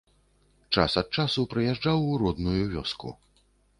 Час ад часу прыязджаў у родную вёску.